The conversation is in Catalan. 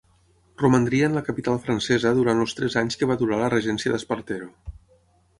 Romandria en la capital francesa durant els tres anys que va durar la regència d'Espartero.